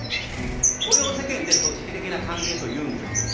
これを世間で組織的な関係というんです。